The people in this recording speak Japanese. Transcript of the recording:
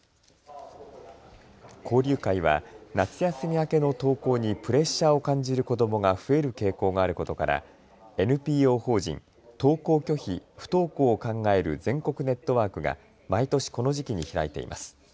交流会は夏休み明けの登校にプレッシャーを感じる子どもが増える傾向があることからＮＰＯ法人登校拒否・不登校を考える全国ネットワークが毎年この時期に開いています。